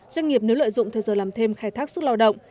doanh nghiệp nếu lợi dụng thời giờ làm thêm khai thác sức lao động